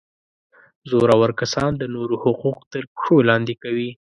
زورور کسان د نورو حقوق تر پښو لاندي کوي.